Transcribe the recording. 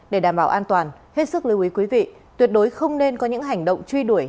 để đảm bảo an toàn hết sức lưu ý quý vị tuyệt đối không nên có những hành động truy đuổi